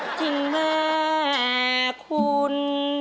จริงแหละคุณ